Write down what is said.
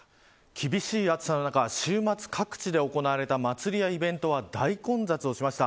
厳しい暑さの中、週末各地で行われた祭りやイベントは大混雑をしました。